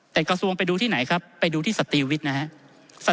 แต่กระทรวงไปดูที่ไหนครับไปดูที่สตรีวิทย์นะครับ